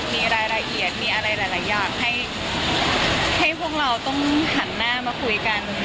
มีรายละเอียดมีอะไรหลายอย่างให้พวกเราต้องหันหน้ามาคุยกัน